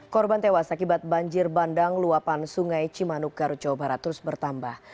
korban tewas akibat banjir bandang luapan sungai cimanuk garut jawa barat terus bertambah